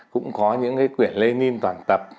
cũng có những cái quyển lenin toàn tập